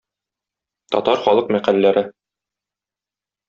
Татар халык мәкальләре.